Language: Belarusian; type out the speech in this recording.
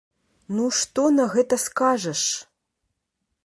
Ну што на гэта скажаш?